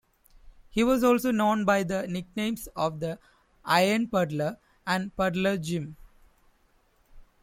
He was also known by the nicknames of the "Iron Puddler" and "Puddler Jim.